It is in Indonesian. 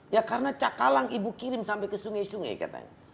ya karena cakalang ibu kirim sampai ke sungai sungai katanya